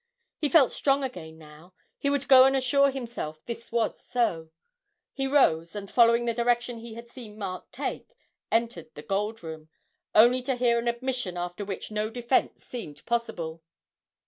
He felt strong again now; he would go and assure himself this was so. He rose and, following the direction he had seen Mark take, entered the Gold Room only to hear an admission after which no defence seemed possible.